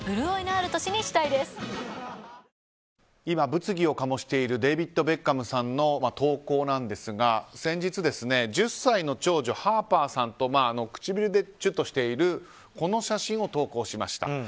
今、物議を醸しているデービッド・ベッカムさんの投稿なんですが先日、１０歳の長女ハーパーさんと唇でチュッとしているこの写真を投稿しました。